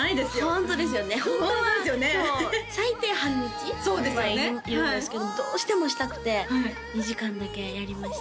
ホントですよねホントですよね最低半日はいるんですけどもどうしてもしたくて２時間だけやりました